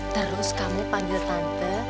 terus kamu panggil tante